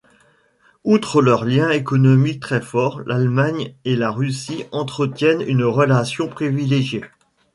Outre leurs liens économiques très forts, l'Allemagne et la Russie entretiennent une relation privilégiée.